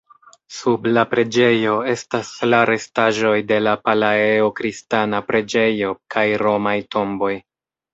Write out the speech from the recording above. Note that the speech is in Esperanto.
Sub la preĝejo estas la restaĵoj de la Palaeo-kristana preĝejo kaj romaj tomboj.